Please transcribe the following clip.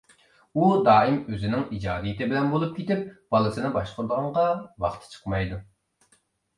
ئۇ دائىم ئۆزىنىڭ ئىجادىيىتى بىلەن بولۇپ كېتىپ بالىسىنى باشقۇرىدىغانغا ۋاقتى چىقمايدۇ.